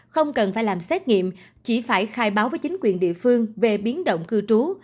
không cần phải làm xét nghiệm chỉ phải khai báo với chính phủ